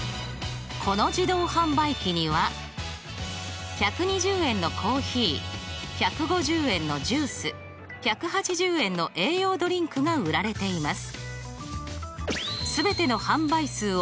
この自動販売機には１２０円のコーヒー１５０円のジュース１８０円の栄養ドリンクが売られています。